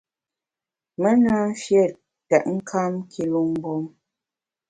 Me na mfiét tètnkam kilu mgbom.